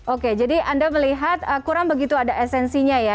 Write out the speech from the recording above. oke jadi anda melihat kurang begitu ada esensinya ya